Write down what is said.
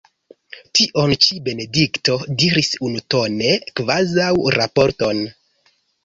Tion ĉi Benedikto diris unutone, kvazaŭ raporton.